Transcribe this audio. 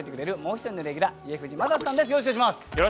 よろしくお願いします。